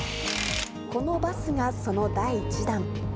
このバスがその第１弾。